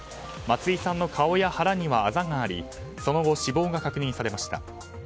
松井さんの顔や腹にはあざがありその後、死亡が確認されました。